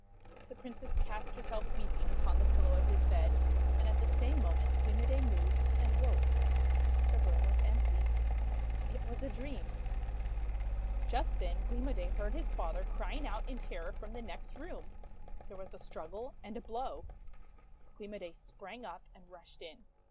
The Princess cast herself weeping upon the pillow of his bed; and at the same moment Gleam o' Day moved, and woke. The room was empty. It was a dream! Just then Gleam o' Day heard his father crying out in terror from the next room. There was a struggle and a blow. Gleam o' Day sprang up, and rushed in.